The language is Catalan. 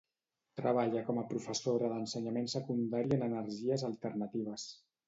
Treballa com a professora d'ensenyament secundari en energies alternatives.